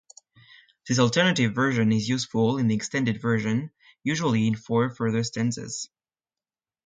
This alternative version is useful in the extended version, usually of four further stanzas.